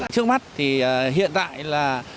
trước mắt thì hiện tại là